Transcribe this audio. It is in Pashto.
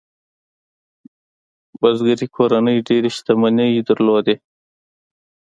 بزګري کورنۍ ډېرې شتمنۍ درلودې.